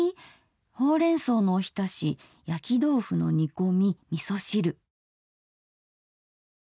ほうれん草のおひたしやきどうふの煮こみみそ汁。